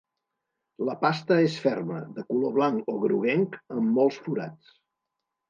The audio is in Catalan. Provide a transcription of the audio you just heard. La pasta és ferma, de color blanc o groguenc, amb molts forats.